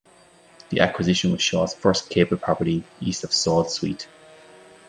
The acquisition was Shaw's first cable property east of Sault Ste.